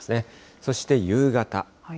そして夕方。